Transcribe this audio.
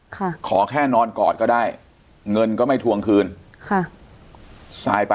ค่ะขอแค่นอนกอดก็ได้เงินก็ไม่ทวงคืนค่ะ